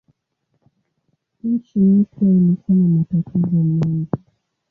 Nchi mpya ilikuwa na matatizo mengi.